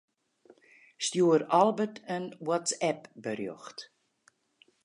Stjoer Albert in WhatsApp-berjocht.